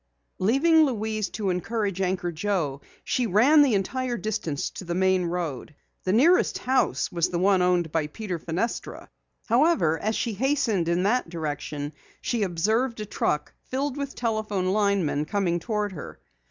Leaving Louise to encourage Anchor Joe, she ran the entire distance to the main road. The nearest house was the one owned by Peter Fenestra. However, as she hastened in that direction, she observed a truck filled with telephone linemen coming toward her.